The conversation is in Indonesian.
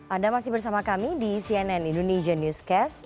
anda masih bersama kami di cnn indonesia newscast